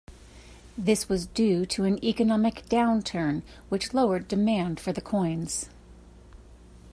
This was due to an economic downturn which lowered demand for the coins.